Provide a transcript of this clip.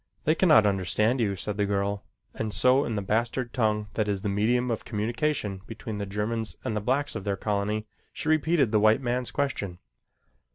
"They cannot understand you," said the girl and so in the bastard tongue that is the medium of communication between the Germans and the blacks of their colony, she repeated the white man's question.